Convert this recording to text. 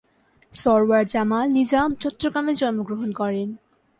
সরওয়ার জামাল নিজাম চট্টগ্রামে জন্মগ্রহণ করেন।